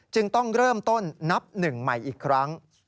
จึงต้องเริ่มต้นนับหนึ่งใหม่อีกครั้ง